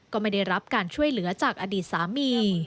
ก็ไม่ได้รับการช่วยเหลือจากอดีตสามี